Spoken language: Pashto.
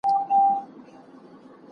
تدريس د ټولګي سره تړاو لري.